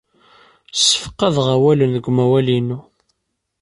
Ssefqadeɣ awalen deg umawal-inu.